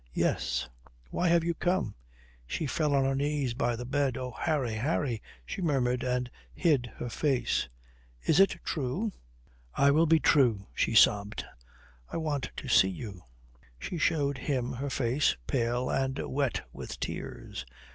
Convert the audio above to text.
"Yes." "Why have you come?" She fell on her knees by the bed. "Oh, Harry, Harry," she murmured, and hid her face. "Is it true?" "I will be true," she sobbed. "I want to see you." She showed him her face pale and wet with tears....